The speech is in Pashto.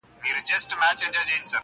زما پر ټوله وجود واک و اختیار ستا دی,